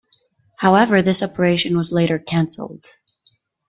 However, this operation was later canceled.